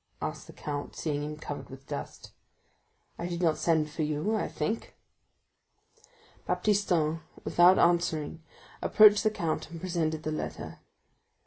asked the count, seeing him covered with dust; "I did not send for you, I think?" Baptistin, without answering, approached the count, and presented the letter.